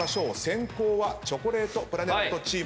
先攻はチョコレートプラネットチームと。